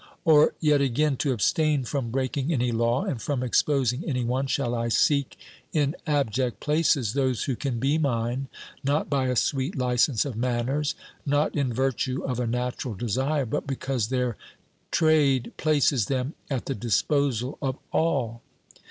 Or yet again, to abstain from breaking any law and from exposing any one, shall I seek in abject places those who can be mine not by a sweet licence of manners, not in virtue of a natural desire, but because their trade places them at the disposal of all?